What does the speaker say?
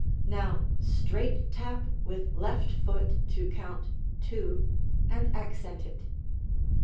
Now straight tap with left foot to count "two" and accent it.